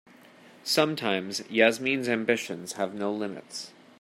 Sometimes Yasmin's ambitions have no limits.